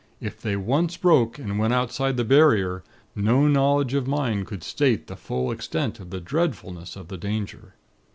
If they once broke, and went outside of the Barrier, no knowledge of mine could state the full extent of the dreadfulness of the danger.